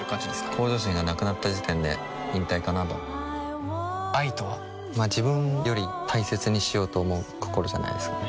向上心がなくなった時点で引退かなとは愛とはま自分より大切にしようと思う心じゃないですかね